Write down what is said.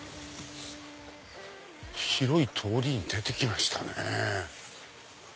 広い通りに出てきましたね。